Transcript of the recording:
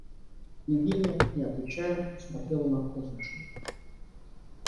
Княгиня, не отвечая, посмотрела на Кознышева.